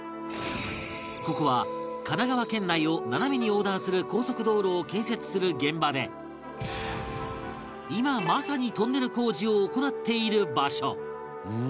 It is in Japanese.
ここは神奈川県内を斜めに横断する高速道路を建設する現場で今まさにトンネル工事を行っている場所